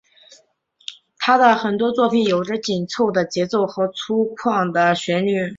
他的很多作品有着紧凑的节奏和粗犷的旋律。